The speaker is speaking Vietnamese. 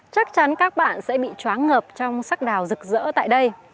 chắc chắn các bạn sẽ bị chóa ngập trong sắc đào rực rỡ tại đây